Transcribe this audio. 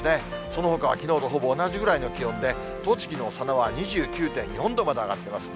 そのほかはきのうとほぼ同じぐらいの気温で、栃木の佐野は２９．４度まで上がってます。